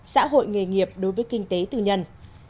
xã hội nghề nghiệp đối với kinh tế tư nhân